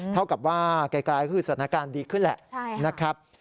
เท่ากับว่าไกลก็คือสถานการณ์ดีขึ้นแหละนะครับ